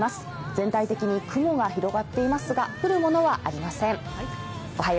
全体的に雲が広がっていますが降るものはありません。